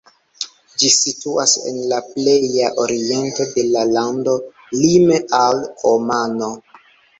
Ĝi situas en la pleja oriento de la lando, lime al Omano.